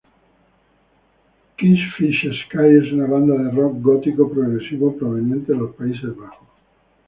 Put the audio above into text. Kingfisher Sky es una banda de rock gótico progresivo proveniente de los Países Bajos.